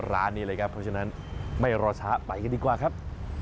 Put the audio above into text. ร้านนี้เลยครับเพราะฉะนั้นไม่รอช้าไปกันดีกว่าครับ